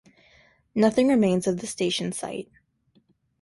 Nothing remains of the station site.